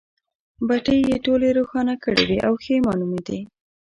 بټۍ یې ټولې روښانه کړې وې او ښه مالومېدې.